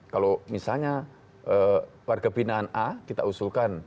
kalau misalnya warga binaan a kita usulkan